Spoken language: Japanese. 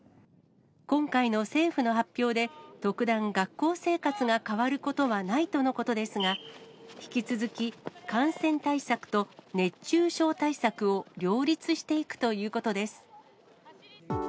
今回の政府の発表で、特段、学校生活が変わることはないとのことですが、引き続き、感染対策と熱中症対策を両立していくということです。